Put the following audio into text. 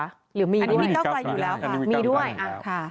อันนี้มีเก้าไกลอยู่แล้วค่ะ